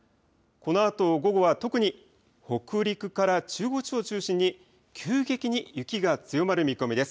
このあと午後は特に北陸から中国地方を中心に急激に雪が強まる見込みです。